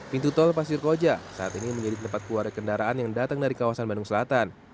pintu tol pasir koja saat ini menjadi tempat keluar kendaraan yang datang dari kawasan bandung selatan